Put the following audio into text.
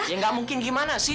ya nggak mungkin gimana sih